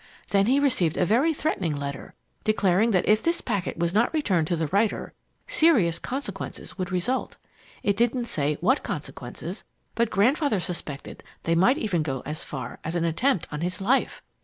Then he received a very threatening letter, declaring that if this packet was not returned to the writer, serious consequences would result. It didn't say what consequences, but Grandfather suspected they might even go as far as an attempt on his life.